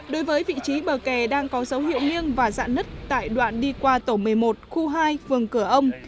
đối với vị trí bờ kè đang có dấu hiệu nghiêng và dạn nứt tại đoạn đi qua tổ một mươi một khu hai phường cửa ông